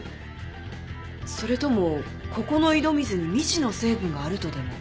それともここの井戸水に未知の成分があるとでも？